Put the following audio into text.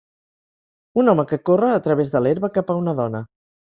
Un home que corre a través de l'herba cap a una dona.